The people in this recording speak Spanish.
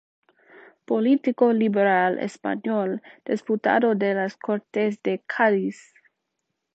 Político liberal español, Diputado de las Cortes de Cádiz.